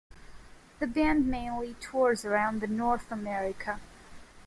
The band mainly tours around North America.